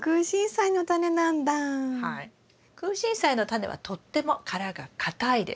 クウシンサイのタネはとっても殻が硬いです。